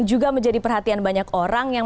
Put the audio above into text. juga menjadi perhatian banyak orang yang